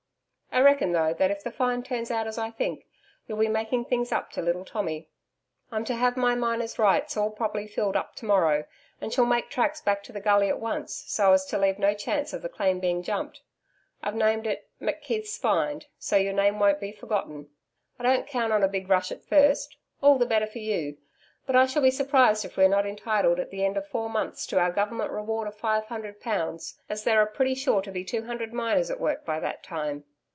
I reckon though that if the find turns out as I think, you'll be making things up to little Tommy. I'm to have my Miners' Right all properly filled up to morrow, and shall make tracks back to the gully at once, so as to leave no chance of the claim being jumped. I've named it "McKeith's Find" so your name won't be forgotten. I don't count on a big rush at first all the better for you but I shall be surprised if we are not entitled at the end of four months to our Government reward of 500 pounds, as there are pretty sure to be two hundred miners at work by that time.